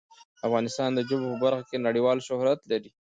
افغانستان د ژبو په برخه کې نړیوال شهرت لري.